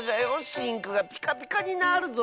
シンクがピカピカになるぞ。